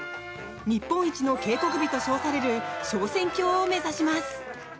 日本一の渓谷美と称される昇仙峡を目指します。